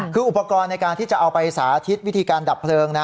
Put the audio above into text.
คืออุปกรณ์ในการที่จะเอาไปสาธิตวิธีการดับเพลิงนะ